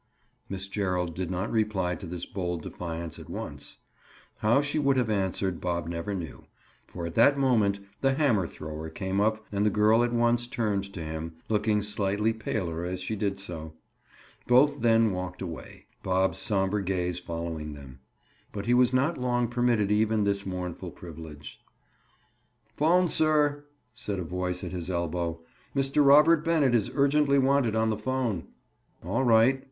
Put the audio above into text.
Miss Gerald did not reply to this bold defiance at once. How she would have answered, Bob never knew, for at that moment the hammer thrower came up and the girl at once turned to him, looking slightly paler as she did so. Both then walked away, Bob's somber gaze following them. But he was not long permitted even this mournful privilege. "Phone, sir," said a voice at his elbow. "Mr. Robert Bennett is urgently wanted on the phone." "All right."